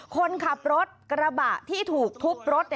คนขับรถกระบะที่ถูกทุบรถ